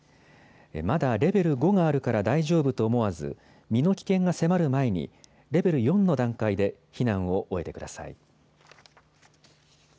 まだレベル５があるから大丈夫と思わず、身の危険が迫る前に、レベル４の段階で避難を終えてください。